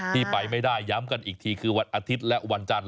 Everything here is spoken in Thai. ที่ไปไม่ได้ย้ำกันอีกทีคือวันอาทิตย์และวันจันท